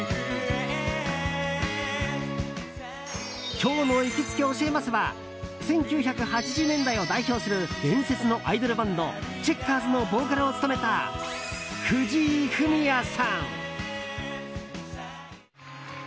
今日の行きつけ教えます！は１９８０年代を代表する伝説のアイドルバンドチェッカーズのボーカルを務めた藤井フミヤさん。